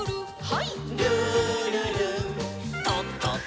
はい。